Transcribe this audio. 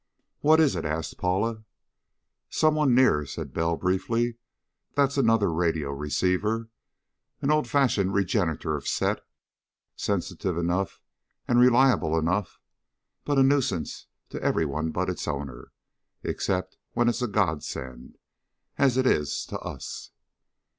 "What is it?" asked Paula. "Someone near," said Bell briefly. "That's another radio receiver, an old fashioned regenerative set, sensitive enough and reliable enough, but a nuisance to everyone but its owner except when it's a godsend, as it is to us."